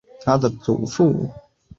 这是最让我惊讶的事